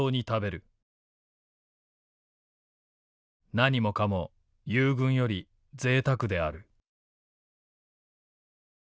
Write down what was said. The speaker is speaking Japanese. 「何もかも友軍よりぜいたくである」。